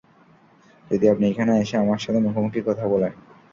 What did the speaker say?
যদি আপনি এখানে এসে, আমার সাথে মুখোমুখি কথা বলেন।